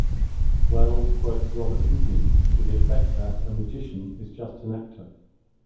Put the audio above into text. Welles quotes Robert-Houdin to the effect that a magician is just an actor.